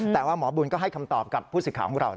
แต่ว่าหมอบุญก็ให้คำตอบกับผู้สื่อข่าวของเรา